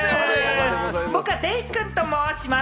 僕、デイくんと申します。